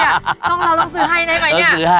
เราต้องซื้อให้ได้ไหมเนี่ยเออซื้อให้